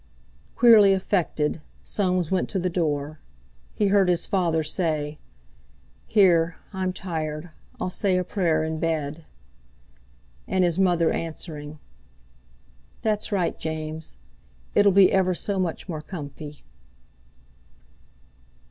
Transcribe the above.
Queerly affected, Soames went to the door; he heard his father say: "Here, I'm tired. I'll say a prayer in bed." And his mother answering "That's right, James; it'll be ever so much more comfy."